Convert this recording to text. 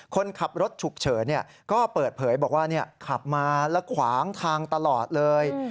คนขับรถฉุกเฉินก็เปิดเผยบอกว่าขับมาแล้วขวางทางตลอดเลย